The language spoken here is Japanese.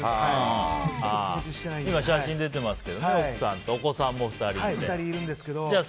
写真出てますけど奥さんとお子さんも２人いて。